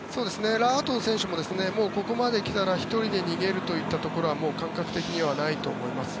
ラ・アトウ選手ももうここまで来たら１人で逃げるといったところは感覚的にはないと思います。